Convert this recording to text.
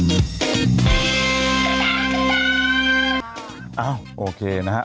เอ้าโอเคนะฮะ